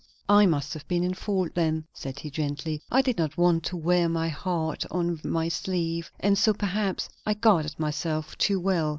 "I must have been in fault then," said he gently; "I did not want to wear my heart on my sleeve, and so perhaps I guarded myself too well.